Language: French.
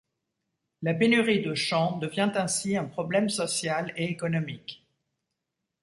La pénurie de champs devient ainsi un problème social et économique.